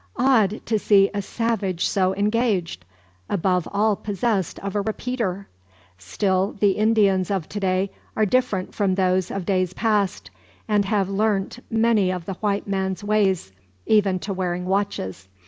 Odd to see a savage so engaged; above all possessed of a repeater! Still the Indians of to day are different from those of days past, and have learnt many of the white man's ways even to wearing watches.